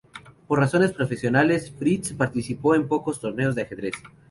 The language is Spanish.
Por razones profesionales, Fritz participó en pocos torneos de ajedrez.